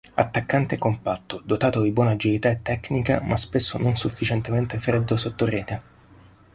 Attaccante compatto, dotato di buona agilità e tecnica ma spesso non sufficientemente freddo sottorete.